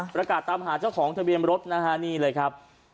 ประกาศตามหาเจ้าของทะเบียนรถนะฮะนี่เลยครับ